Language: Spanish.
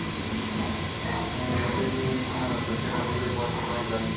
La serie es una adaptación libre de "What's My Line?